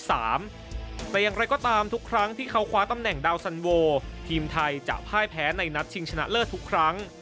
แต่อย่างไรก็ตามทุกครั้งที่เขาคว้าตำแหน่งดาวสันโวทีมไทยจะพ่ายแพ้ในนัดชิงชนะเลิศทุกครั้ง